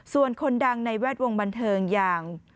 ส่วนคนดังในแวดวงบันเทิงอย่าง